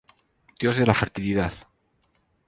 Dios de la fertilidad.